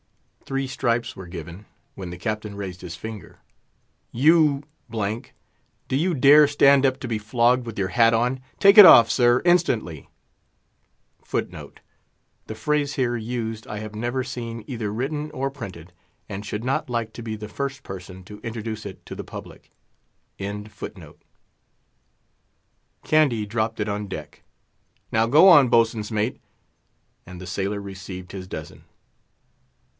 Three stripes were given, when the Captain raised his finger. "You——, do you dare stand up to be flogged with your hat on! Take it off, sir, instantly." The phrase here used I have never seen either written or printed, and should not like to be the first person to introduce it to the public. Candy dropped it on deck. "Now go on, boatswain's mate." And the sailor received his dozen.